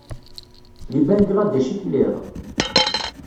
Di Bangladec i telliḍ?